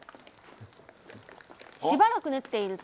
しばらく練っていると